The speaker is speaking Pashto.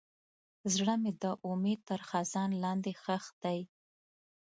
زړه مې د امید تر خزان لاندې ښخ دی.